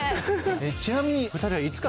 ちなみに。